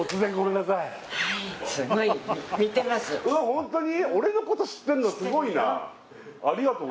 ホントに？